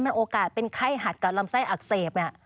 โอกาสเป็นไข้หัดกับลำไส้อักเสบเนี่ย